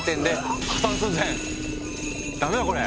ダメだこれ！